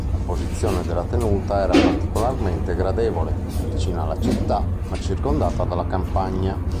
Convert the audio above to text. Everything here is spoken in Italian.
La posizione della tenuta era particolarmente gradevole: vicina alla città, ma circondata dalla campagna.